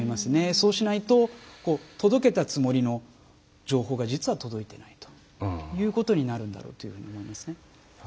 そうしないと届けたつもりの情報が実は、届いていないということになるんだろうと思いますね。